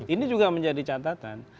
ini juga menjadi catatan